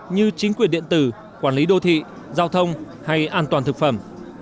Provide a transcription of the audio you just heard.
như chính quyền điện tử quản lý đô thị giao thông hay an toàn thực phẩm